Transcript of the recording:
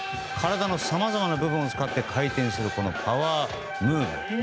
体のさまざまな部分を使って回転するパワームーブ。